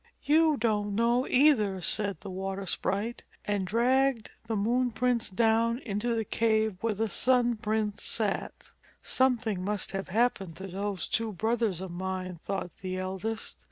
"You don't know, either," said the water sprite, and dragged the Moon Prince down into the cave where the Sun Prince sat. "Something must have happened to those two brothers of mine," thought the eldest.